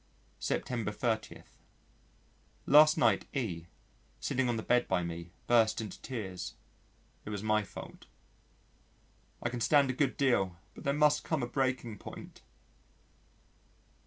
September 30. Last night, E sitting on the bed by me, burst into tears. It was my fault. "I can stand a good deal but there must come a breaking point."